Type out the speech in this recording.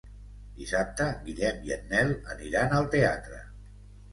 Dissabte en Guillem i en Nel aniran al teatre.